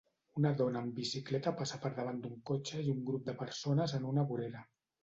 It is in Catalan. Una dona amb bicicleta passa per davant d'un cotxe i un grup de persones en una vorera.